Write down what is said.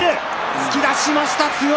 突き出しました、強い。